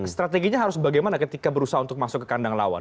strateginya harus bagaimana ketika berusaha untuk masuk ke kandang lawan